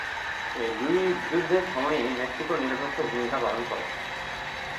এই দুই যুদ্ধের সময়ই মেক্সিকো নিরপেক্ষ ভূমিকা পালন করে।